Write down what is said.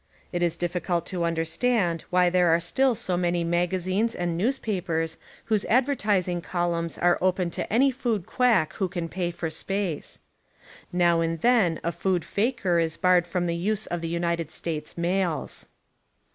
It is difficult to understand why there are still so many magazines and newspapers whose advertising columns are open to any food quack who can pay for space. Now and then a food faker is barred from the use of the United States mails.